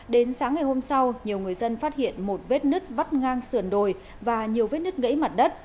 đến sáng ngày hôm sau nhiều người dân phát hiện một vết nứt vắt ngang sườn đồi và nhiều vết nứt gãy mặt đất